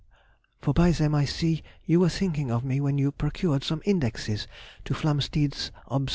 for by them I see you were thinking of me when you procured some indexes to Flamsteed's obs.